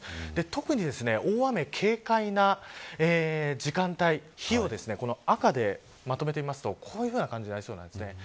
特に大雨警戒な時間帯日を赤でまとめてみるとこういう感じになりそうです。